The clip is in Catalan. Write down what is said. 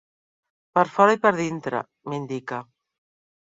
Per fora i per dintre —m'indica.